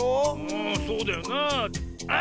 ああそうだよなあ。